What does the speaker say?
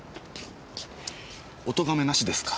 おとがめなしですか。